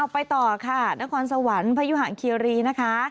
ไปต่อค่ะนครสวรรค์พยุหะเคียรีนะคะ